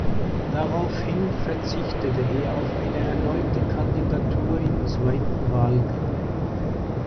Daraufhin verzichtete er auf eine erneute Kandidatur im zweiten Wahlgang.